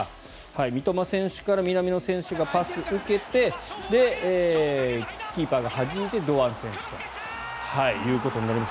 三笘選手から南野選手がパスを受けてキーパーがはじいて堂安選手ということになります。